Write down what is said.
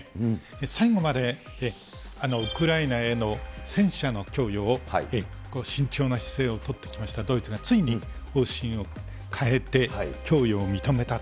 最後までウクライナへの戦車の供与を慎重な姿勢を取ってきましたドイツがついに方針を変えて、供与を認めた。